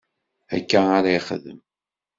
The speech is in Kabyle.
Akka ara yexdem.